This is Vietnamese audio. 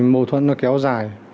mâu thuẫn nó kéo dài